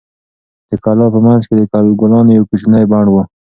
د کلا په منځ کې د ګلانو یو کوچنی بڼ و.